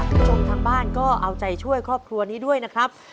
คุณผู้ชมทางบ้านก็เอาใจช่วยครอบครัวนี้ด้วยนะครับ